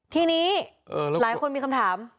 ทีนี้หลายคนมีคำถาม